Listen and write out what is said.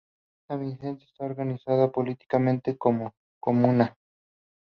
San Vicente está organizada políticamente como Comuna.